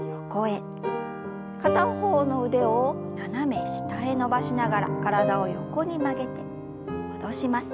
片方の腕を斜め下へ伸ばしながら体を横に曲げて戻します。